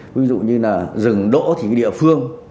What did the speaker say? ví dụ như là dừng đỗ thì địa phương